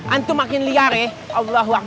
antum makin liar ya